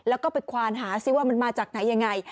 แล้วก็ไปควานหาซิว่ามันมาจากไหนยังไง